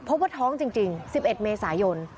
พบว่าท้องจริง๑๑เมษายน